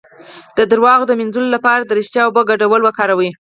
د دروغ د مینځلو لپاره د ریښتیا او اوبو ګډول وکاروئ